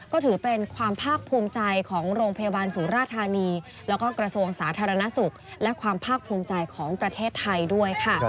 ก็ถือเป็นความภาคภูมิใจของโรงพยาบาลสุราธานีแล้วก็กระทรวงสาธารณสุขและความภาคภูมิใจของประเทศไทยด้วยค่ะ